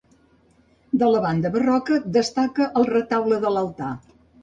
De la banda barroca, destaca el retaule de l'altar.